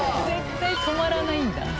絶対止まらないんだ。